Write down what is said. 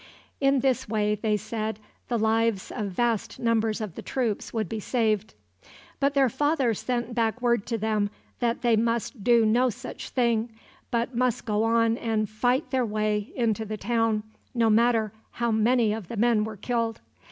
In this way, they said, the lives of vast numbers of the troops would be saved. But their father sent back word to them that they must do no such thing, but must go on and fight their way into the town, no matter how many of the men were killed.